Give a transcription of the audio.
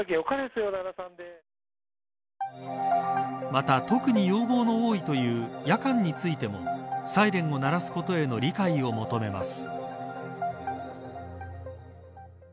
また特に、要望の多いという夜間についてもサイレンを鳴らすことへの理解を求めます。